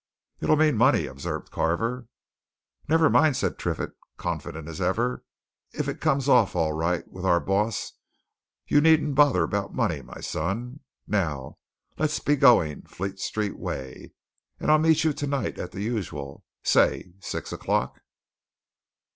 "It'll mean money," observed Carver. "Never mind," said Triffitt, confident as ever. "If it comes off all right with our boss, you needn't bother about money, my son! Now let's be going Fleet Street way, and I'll meet you tonight at the usual say six o'clock."